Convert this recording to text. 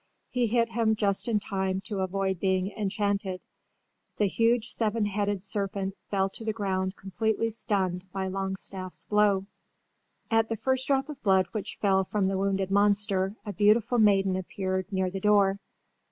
He hit him just in time to avoid being enchanted. The huge seven headed serpent fell to the ground completely stunned by Longstaff's blow. At the first drop of blood which fell from the wounded monster a beautiful maiden appeared near the door.